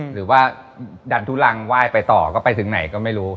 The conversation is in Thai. หรือว่าดันทุลังไหว้ไปต่อก็ไปถึงไหนก็ไม่รู้